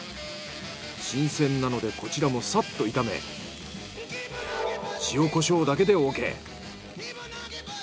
新鮮なのでこちらもサッと炒め塩コショウだけでオーケー。